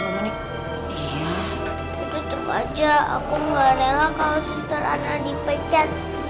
aku ditutup aja aku gak rela kalau suster anak dipecat